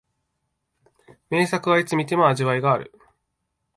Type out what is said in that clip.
名作はいつ観ても味わいがある